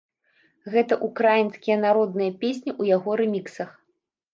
Гэта ўкраінскія народныя песні ў яго рэміксах.